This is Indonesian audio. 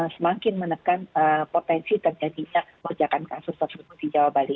semakin menekan potensi terjadinya lonjakan kasus tersebut di jawa bali